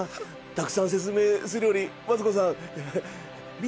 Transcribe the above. たくさん説明するよりマツコさん。